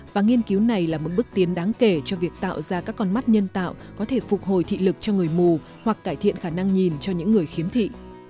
và nghiên cứu này là một bước tiến đáng kể cho việc tạo ra các con mắt nhân tạo có thể phục hồi thị lực cho người mù hoặc cải thiện khả năng nhìn cho những người khiếm thị